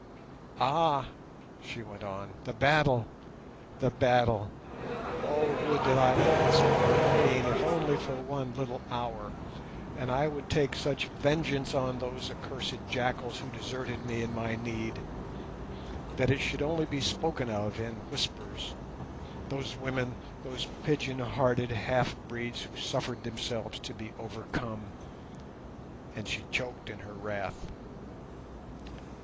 "Ah!" she went on, "the battle! the battle! Oh, would that I were once more a Queen, if only for one little hour, and I would take such a vengeance on those accursed jackals who deserted me in my need; that it should only be spoken of in whispers; those women, those pigeon hearted half breeds who suffered themselves to be overcome!" and she choked in her wrath.